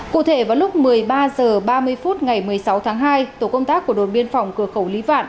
cụ thể vào lúc một mươi ba h ba mươi phút ngày một mươi sáu tháng hai tổ công tác của đồn biên phòng cửa khẩu lý vạn